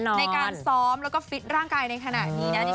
ในการซ้อมแล้วก็ฟิตร่างกายในขณะนี้นะ